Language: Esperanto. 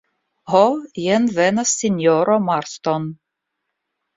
Ho, jen venas sinjoro Marston.